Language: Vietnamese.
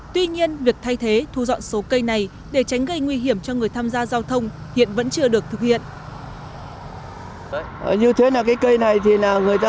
tuy nhiên việc thay thế thu dọn số cây này để tránh gây nguy hiểm cho người tham gia giao thông hiện vẫn chưa được thực hiện